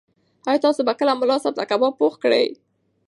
ایا تاسو به کله ملا صاحب ته کباب پوخ کړئ؟